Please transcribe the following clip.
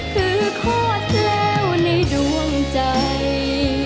คือโคตรแล้วในดวงใจ